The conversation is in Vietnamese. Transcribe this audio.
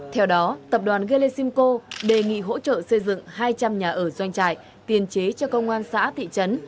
theo đó tập đoàn gelesimco đề nghị hỗ trợ xây dựng hai trăm linh nhà ở doanh trại tiền chế cho công an xã thị trấn